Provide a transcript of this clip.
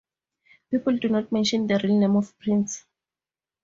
People do not mention the real name of a prince.